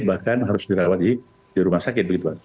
bahkan harus dirawat di rumah sakit begitu